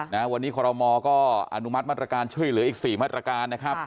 นะวันนี้คอรมอก็อนุมัติมาตรการช่วยเหลืออีก๔มาตรการนะครับ